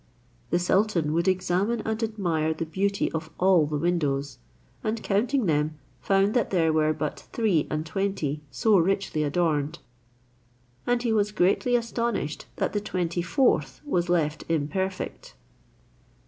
The sultan would examine and admire the beauty of all the windows, and counting them, found that there were but three and twenty so richly adorned, and he was greatly astonished that the twenty fourth was left imperfect.